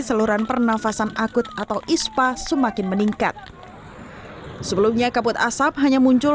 saluran pernafasan akut atau ispa semakin meningkat sebelumnya kabut asap hanya muncul